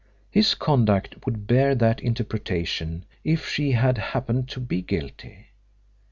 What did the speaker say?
His conduct would bear that interpretation if she had happened to be guilty.